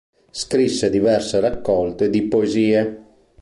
Scrisse diverse raccolte di poesie.